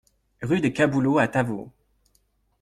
Rue des Caboulots à Tavaux